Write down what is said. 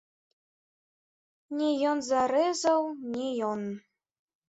Не ён зарэзаў, не ён!